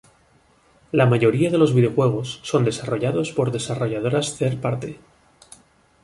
La mayoría de los videojuegos son desarrollados por desarrolladoras third party.